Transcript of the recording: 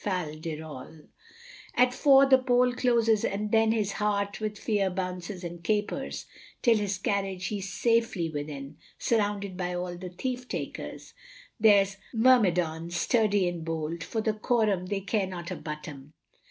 Fal de ral. At four the Poll closes and then His heart with fear bounces and capers, 'Till his carriage he's safely within, Surrounded by all the Thief takers. There's Myrmidons sturdy and bold, For the Quorum they care not a button.